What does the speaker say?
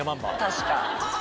⁉確か。